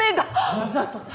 わざとだ。